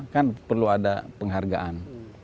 kan perlu ada penghargaan